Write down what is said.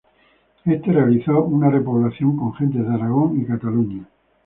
Este realizó una repoblación con gentes de Aragón y Cataluña.